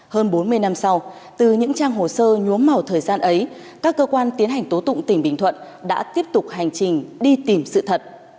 hơn bốn mươi năm sau từ những trang hồ sơ nhuốm màu thời gian ấy các cơ quan tiến hành tố tụng tỉnh bình thuận đã tiếp tục hành trình đi tìm sự thật